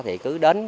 thì cứ đến